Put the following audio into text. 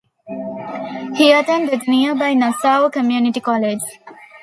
He attended nearby Nassau Community College.